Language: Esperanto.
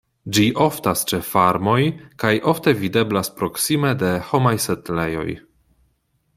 Ĝi oftas ĉe farmoj kaj ofte videblas proksime de homaj setlejoj.